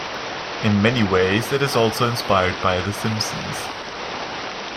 In many ways it is also inspired by "The Simpsons".